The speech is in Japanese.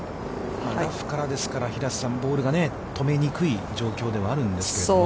ラフからですから、平瀬さん、ボールが止めにくい状況ではあるんですけれども。